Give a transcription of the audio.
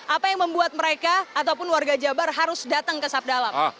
apa yang membuat mereka ataupun warga jabar harus datang ke sabdalam